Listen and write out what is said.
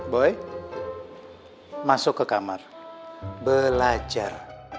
boy masuk ke kamar belajar